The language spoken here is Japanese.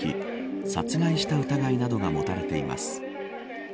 殺害した疑いなどが持たれています。